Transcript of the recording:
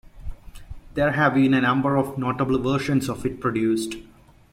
There have been a number of notable versions of it produced.